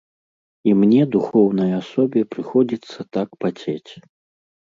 І мне, духоўнай асобе, прыходзіцца так пацець.